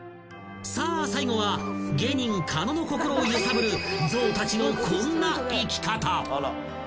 ［さあ最後は芸人狩野の心を揺さぶるゾウたちのこんな生き方］